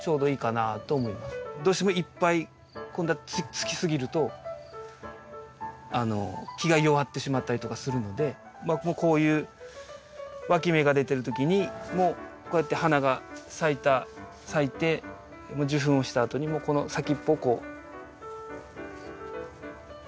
どうしてもいっぱい今度はつき過ぎると木が弱ってしまったりとかするのでまあこういうわき芽が出てる時にもこうやって花が咲いて受粉をしたあとにもこの先っぽをこう。